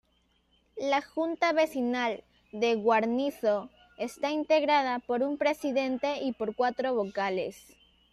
La Junta Vecinal de Guarnizo está integrada por un Presidente y por cuatro Vocales.